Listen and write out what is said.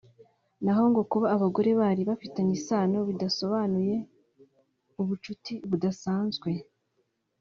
naho ngo kuba abagore bari bafitanye isano bidasobanuye ubucuti budasanzwe